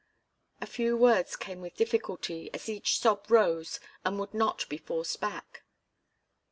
The few words came with difficulty, as each sob rose and would not be forced back.